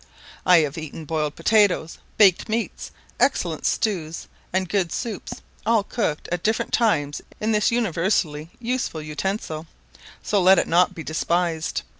I have eaten boiled potatoes, baked meats, excellent stews, and good soups, all cooked at different times in this universally useful utensil: so let it not be despised.